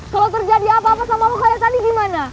kalo terjadi apa apa sama lu kayak tadi gimana